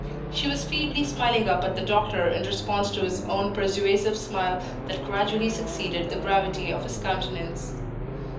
She was feebly smiling up at the doctor in response to his own persuasive smile that gradually succeeded the gravity of his countenance.